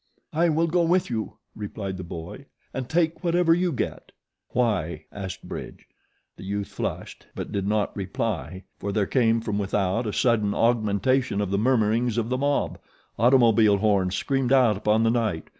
"I will go with you," replied the boy, "and take whatever you get." "Why?" asked Bridge. The youth flushed; but did not reply, for there came from without a sudden augmentation of the murmurings of the mob. Automobile horns screamed out upon the night.